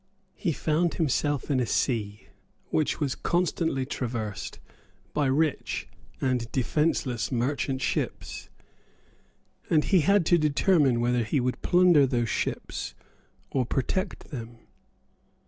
He found himself in a sea which was constantly traversed by rich and defenceless merchant ships; and he had to determine whether he would plunder those ships or protect them.